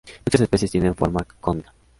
Muchas especies tienen forma cónica.